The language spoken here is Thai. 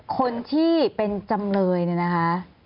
คนที่เป็นจำเลยเนี่ยนะคะ